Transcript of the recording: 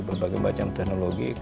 berbagai macam teknologi